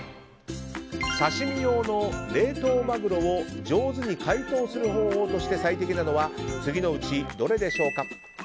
刺し身用の冷凍マグロを、上手に解凍する方法として最適なのは次のうちどれでしょうか。